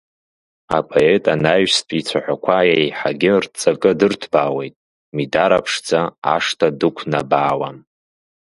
Апоет анаҩстәи ицәаҳәақәа еиҳагьы рҵакы дырҭбаауеит, Мидара-ԥшӡа ашҭа дықәнабаауам…